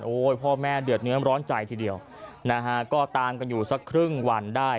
พ่อแม่เดือดเนื้อร้อนใจทีเดียวนะฮะก็ตามกันอยู่สักครึ่งวันได้